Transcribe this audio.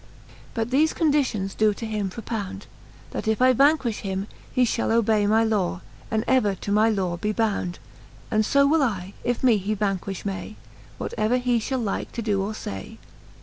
XLIX. But thefe conditions doe to him propound. That if I vanquilhe him, he fhall obay My law, and ever to my lore be bound; And fo will I, if me he vanquifh may, What ever he fhall like to doe or fay.